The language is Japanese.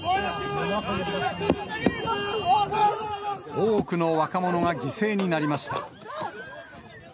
多くの若者が犠牲になりました。